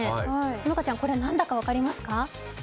好花ちゃん、これ、何だか分かりますか？